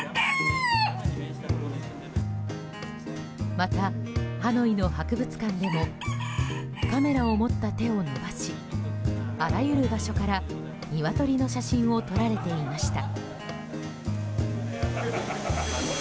また、ハノイの博物館でもカメラを持った手を伸ばしあらゆる場所から、ニワトリの写真を撮られていました。